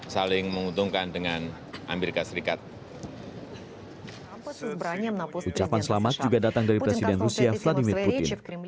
saya mengucapkan selamat kepada presiden rusia vladimir putin